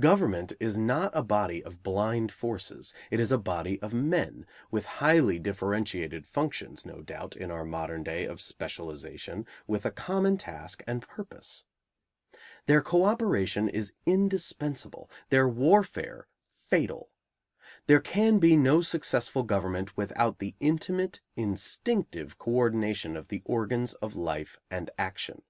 Government is not a body of blind forces; it is a body of men, with highly differentiated functions, no doubt, in our modern day, of specialization, with a common task and purpose. Their co operation is indispensable, their warfare fatal. There can be no successful government without the intimate, instinctive co ordination of the organs of life and action.